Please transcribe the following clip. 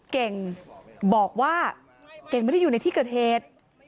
เก่งบอกว่าเก่งไม่ได้อยู่ในที่เกิดเหตุ